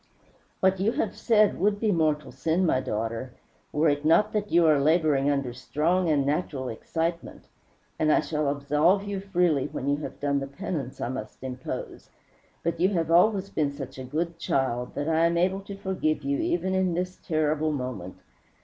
"What you have said would be mortal sin, my daughter, were it not that you are laboring under strong and natural excitement; and I shall absolve you freely when you have done the penance I must impose. You have always been such a good child that I am able to forgive you even in this terrible moment.